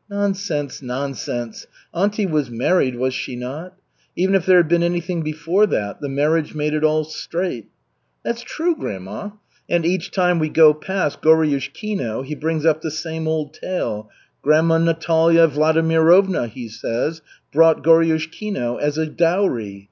'" "Nonsense, nonsense. Auntie was married, was she not? Even if there had been anything before that, the marriage made it all straight." "That's true, grandma, and each time we go past Goriushkino, he brings up the same old tale: 'Grandma Natalya Vladimirovna,' he says, 'brought Goriushkino as a dowry.